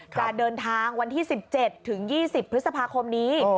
จะเดินทางวันที่๑๗ถึง๒๐พฤษภาคมนี้